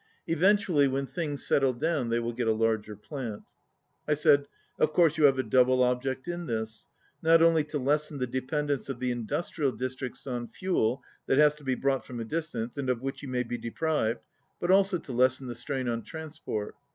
Eventually when things settle down they will get a larger plant. I said, "Of course you have a double object in this, not only to lessen the dependence of the in dustrial districts on fuel that has to be brought from a distance, and of which you may be de prived, but also to lessen the strain on transport?"